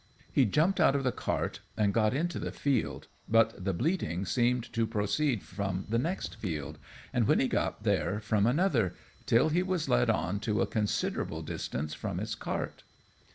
He jumped out of the cart and got into the field, but the bleating seemed to proceed from the next field, and when he got there from another, till he was led on to a considerable distance from his cart.